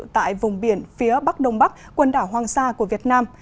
tại vùng biển phía bắc đông bắc quần đảo hoàng sa của việt nam